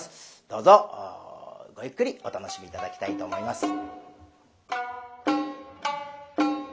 どうぞごゆっくりお楽しみ頂きたいと思います。